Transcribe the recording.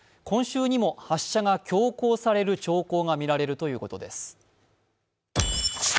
今週にも発射が強行される兆候がみられるということです。